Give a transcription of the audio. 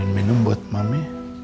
ammarin minum buat mami